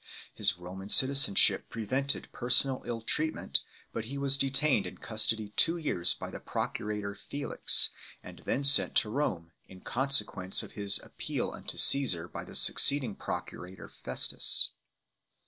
His Roman citizenship prevented personal ill treatment, but he was detained in custody two years by the procurator Felix, and then sent to Rome, in consequence of his "appeal unto Caesar," by the succeeding procurator, Festus.